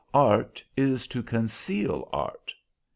"'Art is to conceal art.'